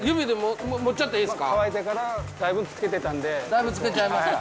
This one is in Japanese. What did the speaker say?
だいぶつけちゃいました？